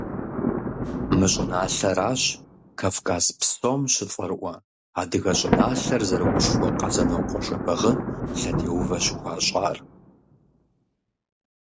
Мы щӏыналъэращ Кавказ псом щыцӏэрыӏуэ, адыгэ щӏыналъэр зэрыгушхуэ Къэзэнокъуэ Жэбагъы лъэтеувэ щыхуащӏар.